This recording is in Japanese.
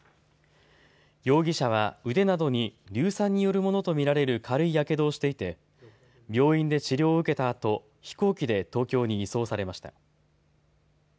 容疑者は、腕などに硫酸によるものと見られる軽いやけどをしていて病院で治療を受けたあと飛行機で東京に移送されました。